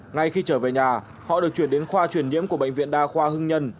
ngay khi trở về nhà họ được chuyển đến khoa chuyển nhiễm của bệnh viện đa khoa hưng nhân